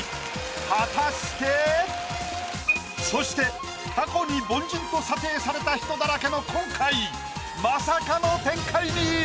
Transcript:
果たして⁉そして過去に凡人と査定された人だらけの今回まさかの展開に！